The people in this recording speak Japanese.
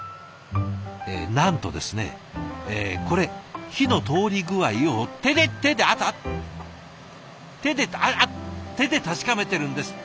なんとですねこれ火の通り具合を手で手で熱っ手でってああっ手で確かめてるんですって。